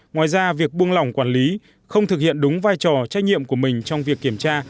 ngoài ra việc buông lỏng quản lý không thực hiện đúng vai trò trách nhiệm của mình trong việc kiểm tra